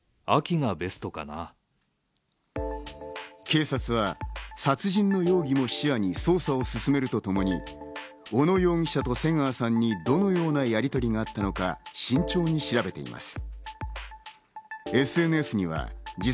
警察は殺人の容疑も視野に捜査を進めるとともに、小野容疑者と瀬川さんにどのようなやりとりがあったのか、慎重に調べています。